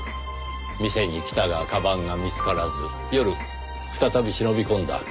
店に来たが鞄が見つからず夜再び忍び込んだ。